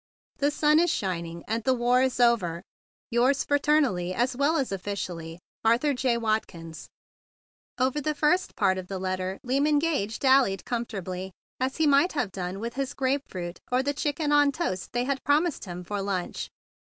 The sun is shining, and the war is over. "Yours fraternally as well as officially, "Arthur J. Watkins/' THE BIG BLUE SOLDIER 153 Over the first part of the letter Lyman Gage dallied comfortably as he might have done with his grapefruit or the chicken on toast that they had promised him for lunch.